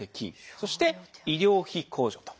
そして「医療費控除」と。